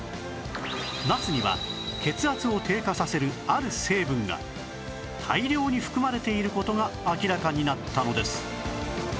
ナスには血圧を低下させるある成分が大量に含まれている事が明らかになったのです